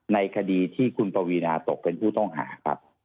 ในคดีที่คุณปวีนาตกเป็นผู้ต้องหาครับ